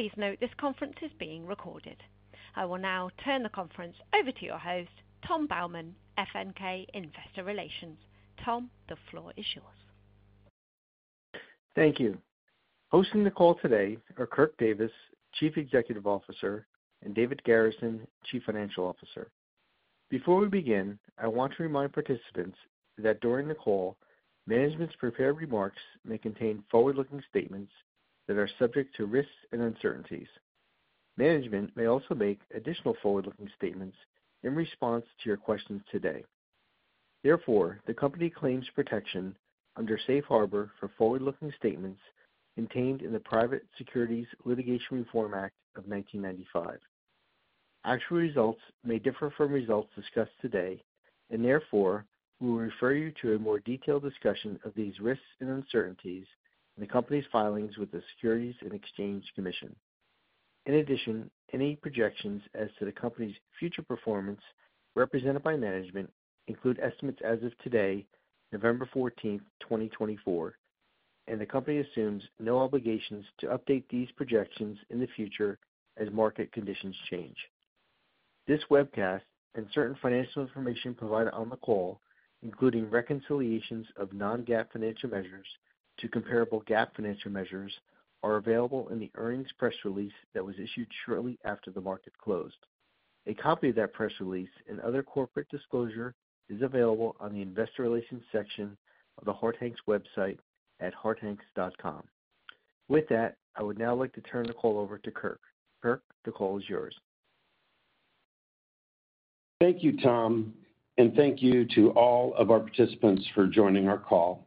Please note this conference is being recorded. I will now turn the conference over to your host, Tom Baumann, FNK Investor Relations. Tom, the floor is yours. Thank you. Hosting the call today are Kirk Davis, Chief Executive Officer, and David Garrison, Chief Financial Officer. Before we begin, I want to remind participants that during the call, management's prepared remarks may contain forward-looking statements that are subject to risks and uncertainties. Management may also make additional forward-looking statements in response to your questions today. Therefore, the company claims protection under Safe Harbor for forward-looking statements contained in the Private Securities Litigation Reform Act of 1995. Actual results may differ from results discussed today, and therefore we will refer you to a more detailed discussion of these risks and uncertainties in the company's filings with the Securities and Exchange Commission. In addition, any projections as to the company's future performance represented by management include estimates as of today, November 14th, 2024, and the company assumes no obligations to update these projections in the future as market conditions change. This webcast and certain financial information provided on the call, including reconciliations of non-GAAP financial measures to comparable GAAP financial measures, are available in the earnings press release that was issued shortly after the market closed. A copy of that press release and other corporate disclosure is available on the Investor Relations section of the Harte Hanks website at hartehanks.com. With that, I would now like to turn the call over to Kirk. Kirk, the call is yours. Thank you, Tom, and thank you to all of our participants for joining our call.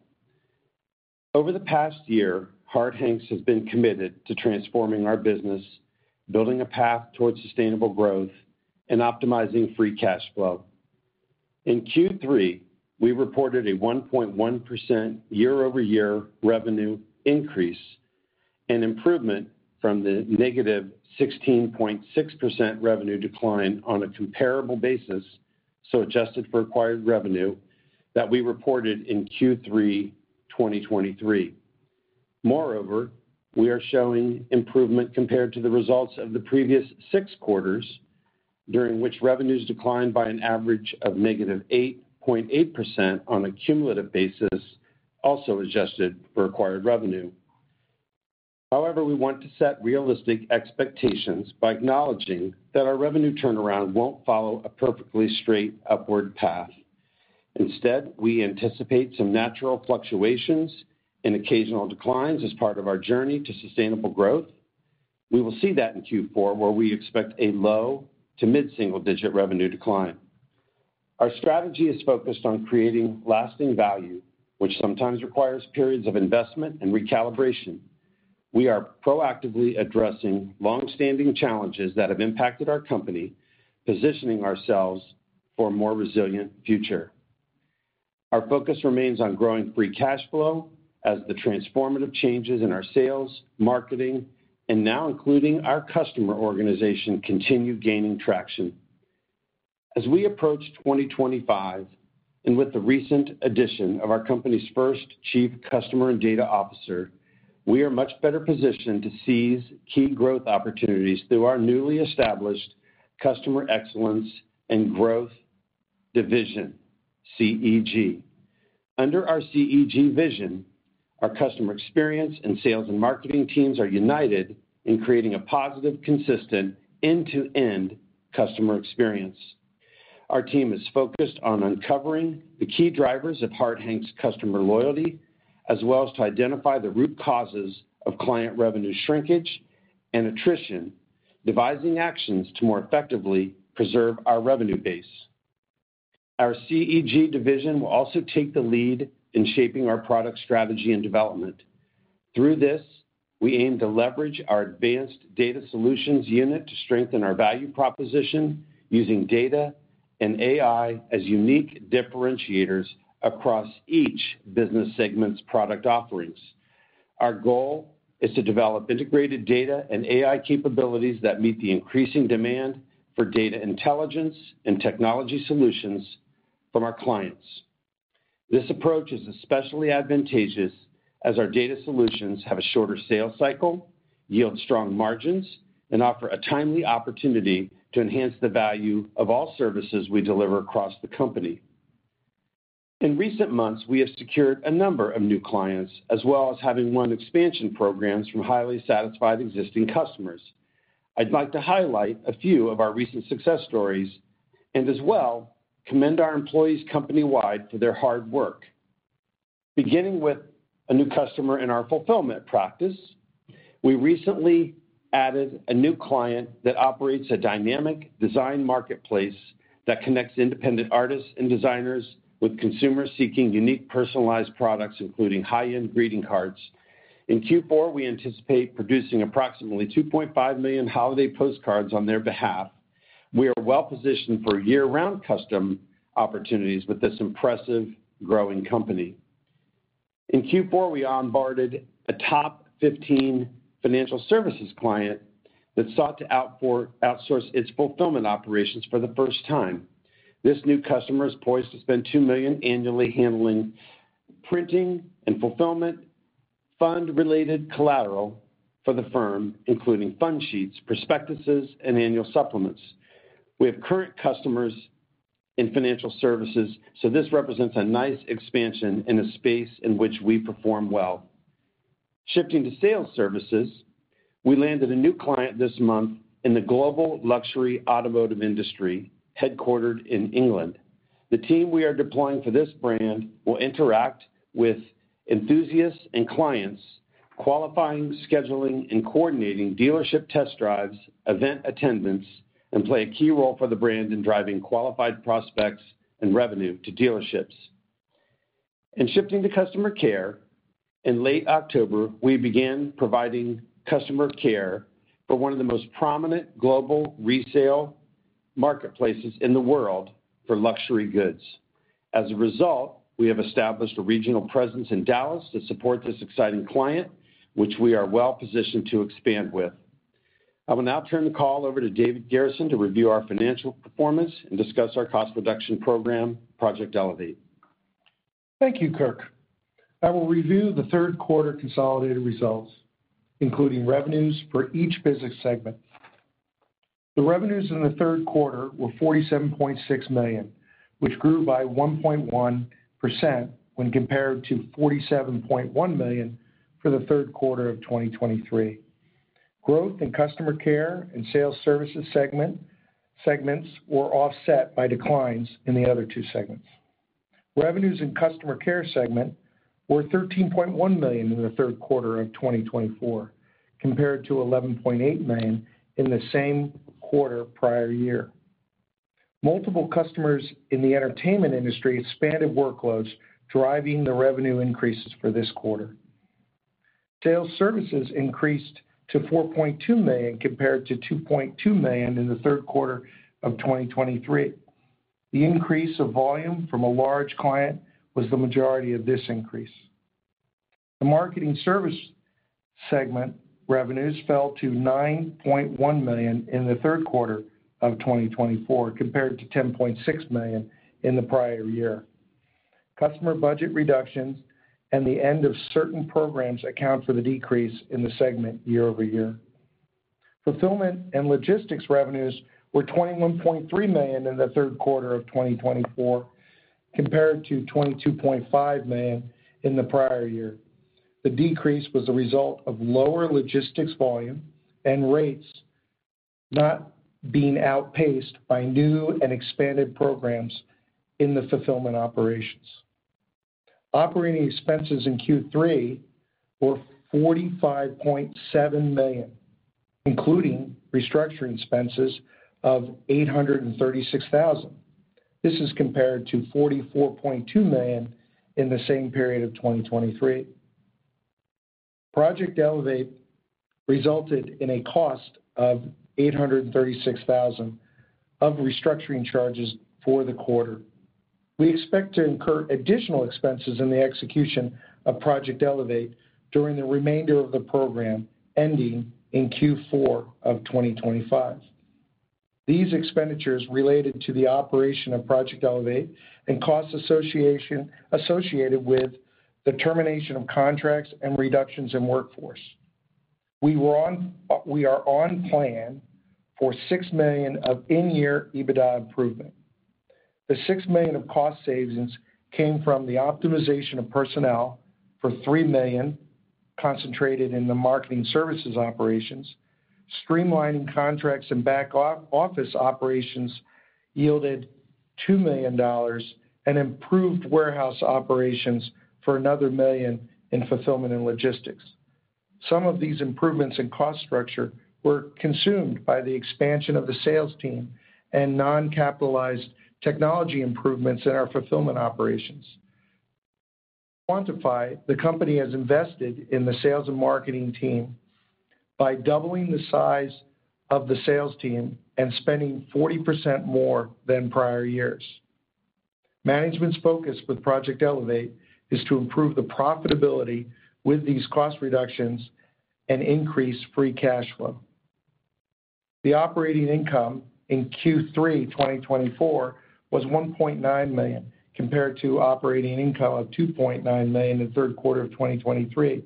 Over the past year, Harte Hanks has been committed to transforming our business, building a path towards sustainable growth, and optimizing free cash flow. In Q3, we reported a 1.1% year-over-year revenue increase and improvement from the -16.6% revenue decline on a comparable basis, so adjusted for acquired revenue, that we reported in Q3 2023. Moreover, we are showing improvement compared to the results of the previous six quarters, during which revenues declined by an average of -8.8% on a cumulative basis, also adjusted for acquired revenue. However, we want to set realistic expectations by acknowledging that our revenue turnaround won't follow a perfectly straight upward path. Instead, we anticipate some natural fluctuations and occasional declines as part of our journey to sustainable growth. We will see that in Q4, where we expect a low to mid-single-digit revenue decline. Our strategy is focused on creating lasting value, which sometimes requires periods of investment and recalibration. We are proactively addressing long-standing challenges that have impacted our company, positioning ourselves for a more resilient future. Our focus remains on growing free cash flow as the transformative changes in our sales, marketing, and now including our customer organization continue gaining traction. As we approach 2025 and with the recent addition of our company's first Chief Customer and Data Officer, we are much better positioned to seize key growth opportunities through our newly established Customer Excellence and Growth Division, CEG. Under our CEG vision, our customer experience and sales and marketing teams are united in creating a positive, consistent end-to-end customer experience. Our team is focused on uncovering the key drivers of Harte Hanks' customer loyalty, as well as to identify the root causes of client revenue shrinkage and attrition, devising actions to more effectively preserve our revenue base. Our CEG division will also take the lead in shaping our product strategy and development. Through this, we aim to leverage our advanced data solutions unit to strengthen our value proposition using data and AI as unique differentiators across each business segment's product offerings. Our goal is to develop integrated data and AI capabilities that meet the increasing demand for data intelligence and technology solutions from our clients. This approach is especially advantageous as our data solutions have a shorter sales cycle, yield strong margins, and offer a timely opportunity to enhance the value of all services we deliver across the company. In recent months, we have secured a number of new clients, as well as having won expansion programs from highly satisfied existing customers. I'd like to highlight a few of our recent success stories and as well commend our employees company-wide for their hard work. Beginning with a new customer in our fulfillment practice, we recently added a new client that operates a dynamic design marketplace that connects independent artists and designers with consumers seeking unique personalized products, including high-end greeting cards. In Q4, we anticipate producing approximately 2.5 million holiday postcards on their behalf. We are well positioned for year-round custom opportunities with this impressive growing company. In Q4, we onboarded a top 15 financial services client that sought to outsource its fulfillment operations for the first time. This new customer is poised to spend $2 million annually handling printing and fulfillment fund-related collateral for the firm, including fund sheets, prospectuses, and annual supplements. We have current customers in financial services, so this represents a nice expansion in a space in which we perform well. Shifting to sales services, we landed a new client this month in the global luxury automotive industry headquartered in England. The team we are deploying for this brand will interact with enthusiasts and clients, qualifying, scheduling, and coordinating dealership test drives, event attendance, and play a key role for the brand in driving qualified prospects and revenue to dealerships, and shifting to customer care, in late October, we began providing customer care for one of the most prominent global resale marketplaces in the world for luxury goods. As a result, we have established a regional presence in Dallas to support this exciting client, which we are well positioned to expand with. I will now turn the call over to David Garrison to review our financial performance and discuss our cost reduction program, Project Elevate. Thank you, Kirk. I will review the third quarter consolidated results, including revenues for each business segment. The revenues in the third quarter were $47.6 million, which grew by 1.1% when compared to $47.1 million for the third quarter of 2023. Growth in customer care and sales services segments were offset by declines in the other two segments. Revenues in customer care segment were $13.1 million in the third quarter of 2024, compared to $11.8 million in the same quarter prior year. Multiple customers in the entertainment industry expanded workloads, driving the revenue increases for this quarter. Sales services increased to $4.2 million compared to $2.2 million in the third quarter of 2023. The increase of volume from a large client was the majority of this increase. The marketing service segment revenues fell to $9.1 million in the third quarter of 2024, compared to $10.6 million in the prior year. Customer budget reductions and the end of certain programs account for the decrease in the segment year-over-year. Fulfillment and logistics revenues were $21.3 million in the third quarter of 2024, compared to $22.5 million in the prior year. The decrease was the result of lower logistics volume and rates not being outpaced by new and expanded programs in the fulfillment operations. Operating expenses in Q3 were $45.7 million, including restructuring expenses of $836,000. This is compared to $44.2 million in the same period of 2023. Project Elevate resulted in a cost of $836,000 of restructuring charges for the quarter. We expect to incur additional expenses in the execution of Project Elevate during the remainder of the program ending in Q4 of 2025. These expenditures related to the operation of Project Elevate and costs associated with the termination of contracts and reductions in workforce. We are on plan for $6 million of in-year EBITDA improvement. The $6 million of cost savings came from the optimization of personnel for $3 million, concentrated in the marketing services operations. Streamlining contracts and back office operations yielded $2 million and improved warehouse operations for another $1 million in fulfillment and logistics. Some of these improvements in cost structure were consumed by the expansion of the sales team and non-capitalized technology improvements in our fulfillment operations. To quantify, the company has invested in the sales and marketing team by doubling the size of the sales team and spending 40% more than prior years. Management's focus with Project Elevate is to improve the profitability with these cost reductions and increase free cash flow. The operating income in Q3 2024 was $1.9 million compared to operating income of $2.9 million in the third quarter of 2023.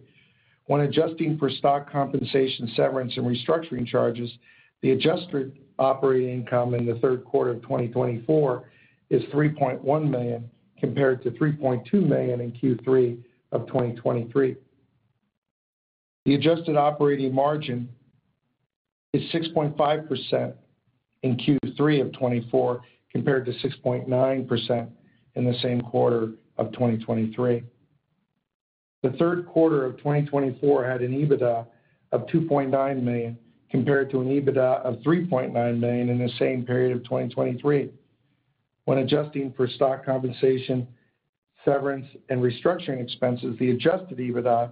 When adjusting for stock compensation, severance, and restructuring charges, the adjusted operating income in the third quarter of 2024 is $3.1 million compared to $3.2 million in Q3 of 2023. The adjusted operating margin is 6.5% in Q3 of 2024 compared to 6.9% in the same quarter of 2023. The third quarter of 2024 had an EBITDA of $2.9 million compared to an EBITDA of $3.9 million in the same period of 2023. When adjusting for stock compensation, severance, and restructuring expenses, the adjusted EBITDA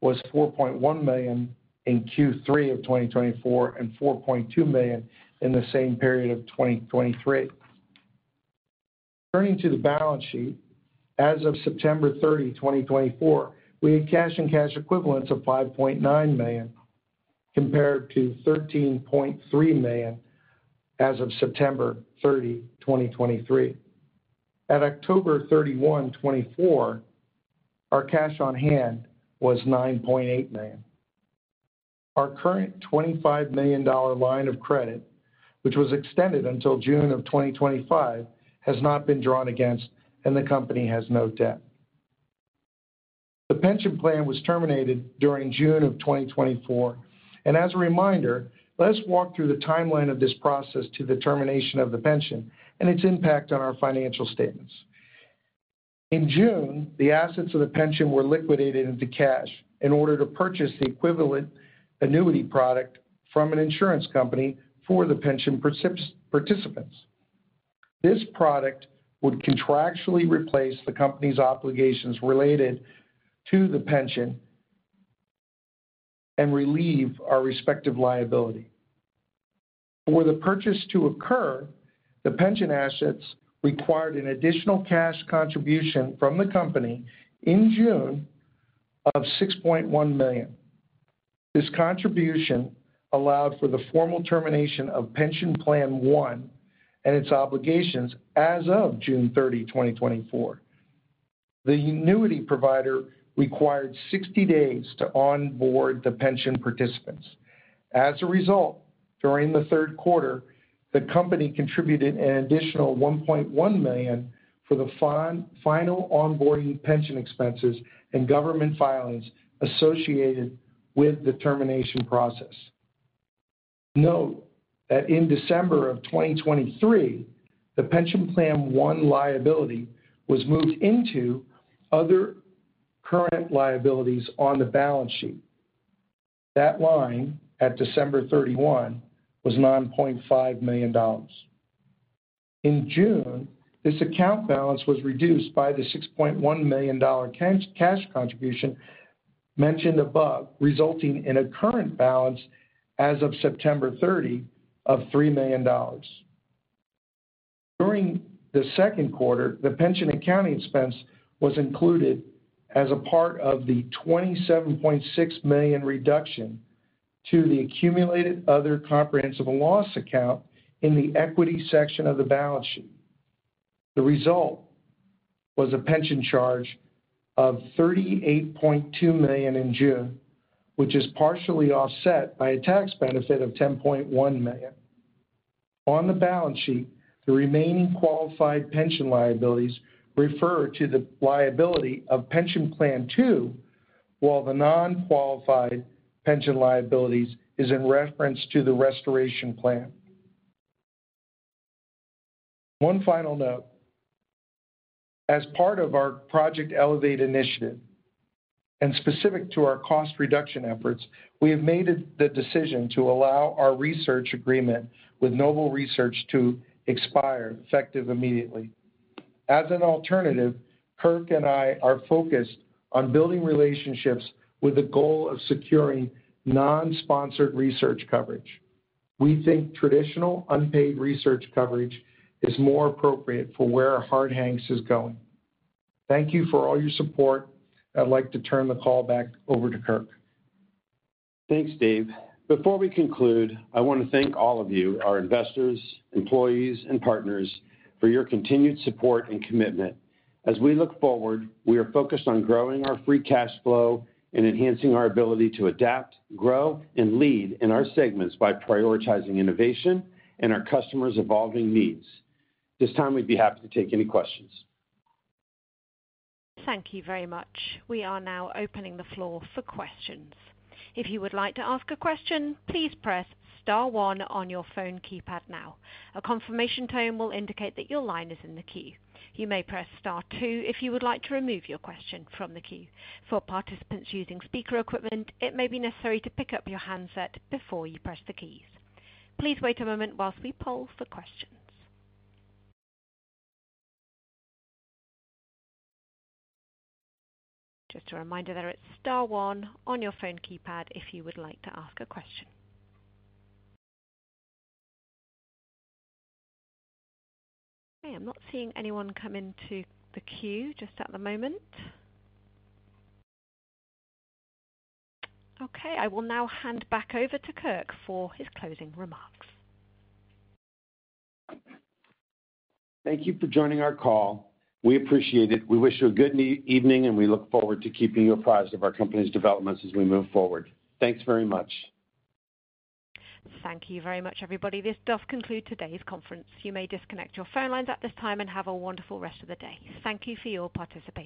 was $4.1 million in Q3 of 2024 and $4.2 million in the same period of 2023. Turning to the balance sheet, as of September 30, 2024, we had cash and cash equivalents of $5.9 million compared to $13.3 million as of September 30, 2023. At October 31, 2024, our cash on hand was $9.8 million. Our current $25 million line of credit, which was extended until June of 2025, has not been drawn against, and the company has no debt. The pension plan was terminated during June of 2024. As a reminder, let's walk through the timeline of this process to the termination of the pension and its impact on our financial statements. In June, the assets of the pension were liquidated into cash in order to purchase the equivalent annuity product from an insurance company for the pension participants. This product would contractually replace the company's obligations related to the pension and relieve our respective liability. For the purchase to occur, the pension assets required an additional cash contribution from the company in June of $6.1 million. This contribution allowed for the formal termination of Pension Plan One and its obligations as of June 30, 2024. The annuity provider required 60 days to onboard the pension participants. As a result, during the third quarter, the company contributed an additional $1.1 million for the final onboarding pension expenses and government filings associated with the termination process. Note that in December of 2023, the pension plan one liability was moved into other current liabilities on the balance sheet. That line at December 31 was $9.5 million. In June, this account balance was reduced by the $6.1 million cash contribution mentioned above, resulting in a current balance as of September 30 of $3 million. During the second quarter, the pension accounting expense was included as a part of the $27.6 million reduction to the accumulated other comprehensive loss account in the equity section of the balance sheet. The result was a pension charge of $38.2 million in June, which is partially offset by a tax benefit of $10.1 million. On the balance sheet, the remaining qualified pension liabilities refer to the liability of pension plan two, while the non-qualified pension liabilities are in reference to the restoration plan. One final note. As part of our Project Elevate initiative and specific to our cost reduction efforts, we have made the decision to allow our research agreement with Noble Research to expire effective immediately. As an alternative, Kirk and I are focused on building relationships with the goal of securing non-sponsored research coverage. We think traditional unpaid research coverage is more appropriate for where our Harte Hanks is going. Thank you for all your support. I'd like to turn the call back over to Kirk. Thanks, Dave. Before we conclude, I want to thank all of you, our investors, employees, and partners, for your continued support and commitment. As we look forward, we are focused on growing our free cash flow and enhancing our ability to adapt, grow, and lead in our segments by prioritizing innovation and our customers' evolving needs. This time, we'd be happy to take any questions. Thank you very much. We are now opening the floor for questions. If you would like to ask a question, please press Star one on your phone keypad now. A confirmation tone will indicate that your line is in the queue. You may press Star two if you would like to remove your question from the queue. For participants using speaker equipment, it may be necessary to pick up your handset before you press the keys. Please wait a moment while we poll for questions. Just a reminder there is Star one on your phone keypad if you would like to ask a question. Okay, I'm not seeing anyone come into the queue just at the moment. Okay, I will now hand back over to Kirk for his closing remarks. Thank you for joining our call. We appreciate it. We wish you a good evening, and we look forward to keeping you apprised of our company's developments as we move forward. Thanks very much. Thank you very much, everybody. This does conclude today's conference. You may disconnect your phone lines at this time and have a wonderful rest of the day. Thank you for your participation.